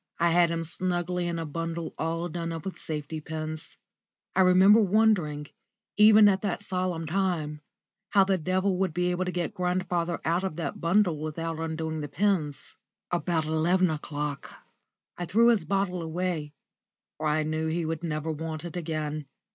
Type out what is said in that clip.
I had him snugly in a bundle all done up with safety pins. I remember wondering, even at that solemn time, how the Devil would be able to get grandfather out of that bundle without undoing the pins. About eleven o'clock I threw his bottle away, for I knew he would never want it again.